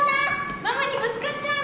ママにぶつかっちゃう！